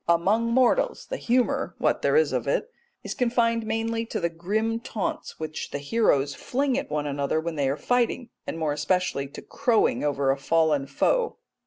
Among mortals the humour, what there is of it, is confined mainly to the grim taunts which the heroes fling at one another when they are fighting, and more especially to crowing over a fallen foe.